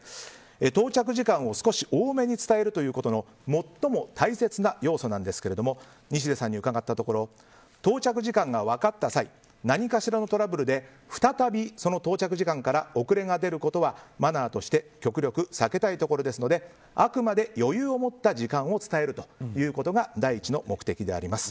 到着時間を少し多めに伝えるということの最も大切な要素なんですが西出さんに伺ったところ到着時間が分かった際何かしらのトラブルで再びその到着時間から遅れが出ることは、マナーとして極力避けたいところですのであくまで余裕を持った時間を伝えるということが第一の目的であります。